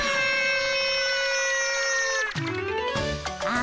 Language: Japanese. あ！